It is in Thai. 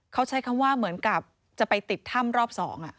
เขาใช้คำว่าเหมือนกับจะไปติดถ้ำรอบ๒